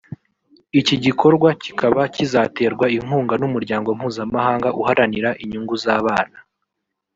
Iki gikorwa kibaba kizaterwa inkunga n’Umuryango mpuzamahanga uharanira inyungu z’abana